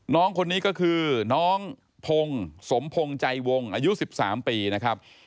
น้องคนนี้ก็คือน้องพงศ์สมพงศ์ใจวงอายุ๑๓ปีนะครับ